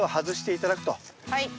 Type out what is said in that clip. はい。